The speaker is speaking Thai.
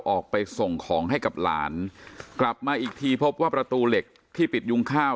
ออกไปส่งของให้กับหลานกลับมาอีกทีพบว่าประตูเหล็กที่ปิดยุงข้าว